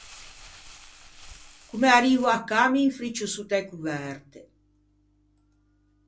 Comme arrivo à cà m’infriccio sott’a-e coverte.